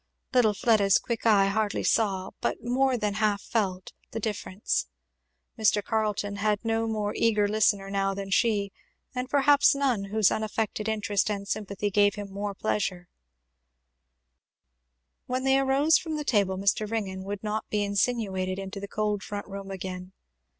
Little Fleda's quick eye hardly saw, but more than half felt, the difference. Mr. Carleton had no more eager listener now than she, and perhaps none whose unaffected interest and sympathy gave him more pleasure. [Illustration: Fleda coloured and looked at her grandfather.] When they rose from the table Mr. Ringgan would not be insinuated into the cold front room again.